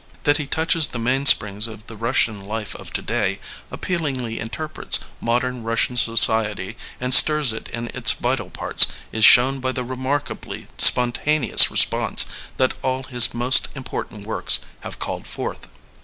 That he touches the main springs of the Russian life of today, appealingly interprets modem Bussian society, and stirs it in its vital parts is shown by the remarkably spontaneous response that all his most important works have called forth.